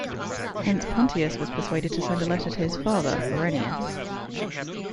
Hence Pontius was persuaded to send a letter to his father, Herennius.